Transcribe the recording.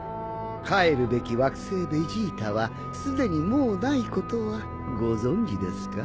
帰るべき惑星ベジータはすでにもうないことはご存じですか？